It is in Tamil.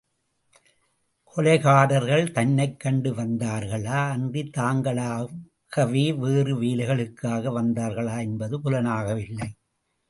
கொலைகாரர்கள் தன்னைக் கண்டு வந்தார்களா, அன்றித் தாங்களாகவே வேறு வேலைகளுக்காக வந்தார்களா என்பது புலனாகவில்லை.